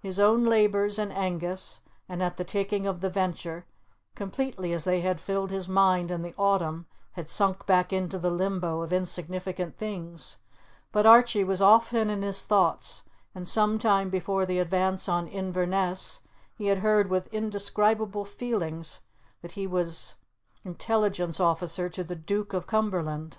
His own labours in Angus and at the taking of the Venture, completely as they had filled his mind in the autumn, had sunk back into the limbo of insignificant things, but Archie was often in his thoughts, and some time before the advance on Inverness he had heard with indescribable feelings that he was intelligence officer to the Duke of Cumberland.